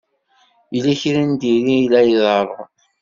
Yella kra n diri i la iḍerrun.